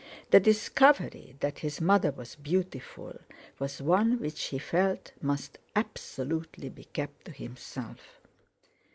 The discovery that his mother was beautiful was one which he felt must absolutely be kept to himself.